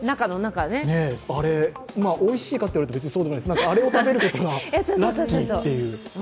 あれ、おいしいかと言われると別にそうでもないですがあれを食べることがラッキーという。